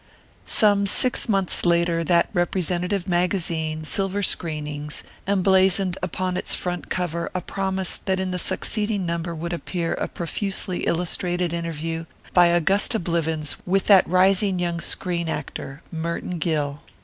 Some six months later that representative magazine, Silver Screenings, emblazoned upon its front cover a promise that in the succeeding number would appear a profusely illustrated interview by Augusta Blivens with that rising young screen actor, Merton Gill.